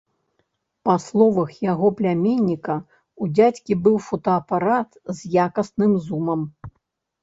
Па словах яго пляменніка, у дзядзькі быў фотаапарат, з якасным зумам.